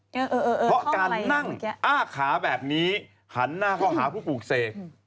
เพราะการนั่งอ้าขาแบบนี้หันหน้าเข้าหาผู้ปลูกเสก